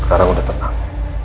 sekarang udah tenang